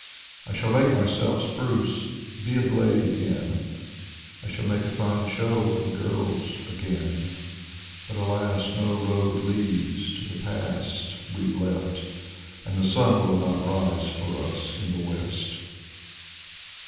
I shall make myself spruce Be a blade again, I shall make a fine show For the girls again. But alas ! no road leads To the past we've left. And the sun will not rise For us in the west.